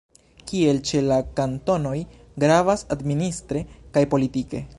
Kiel ĉe la kantonoj, gravas administre kaj politike.